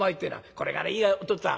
「これがねいいよお父っつぁん。